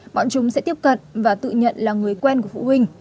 bọn chúng sẽ tiếp cận và tự nhận là người quen của phụ huynh